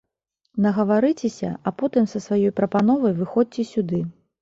Нагаварыцеся, а потым са сваёй прапановай выходзьце сюды.